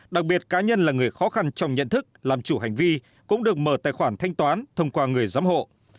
đặc biệt cá nhân là người khó khăn trong nhận thức làm chủ hành vi cũng được mở tài khoản thanh toán thông qua người giám hộ